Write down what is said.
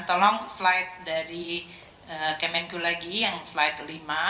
tolong slide dari kemenku lagi yang slide kelima